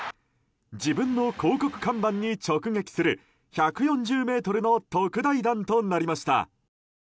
自分の広告看板に直撃する１４０ｍの特大弾となりました。